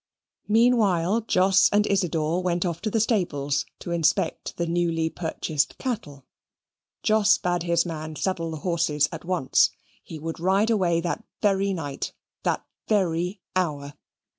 Meanwhile Jos and Isidor went off to the stables to inspect the newly purchased cattle. Jos bade his man saddle the horses at once. He would ride away that very night, that very hour.